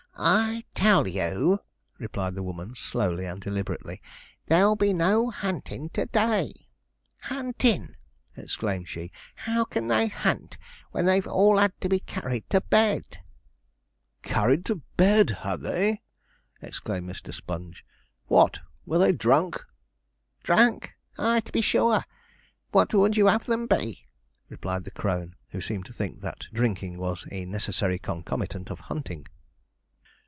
'I tell you,' replied the woman slowly and deliberately, 'there'll be no huntin' to day. Huntin'!' exclaimed she; 'how can they hunt when they've all had to be carried to bed?' 'Carried to bed! had they?' exclaimed Mr. Sponge; 'what, were they drunk?' 'Drunk! aye, to be sure. What would you have them be?' replied the crone, who seemed to think that drinking was a necessary concomitant of hunting.